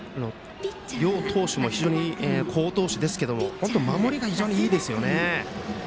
両投手も好投手ですけど守りがいいですよね。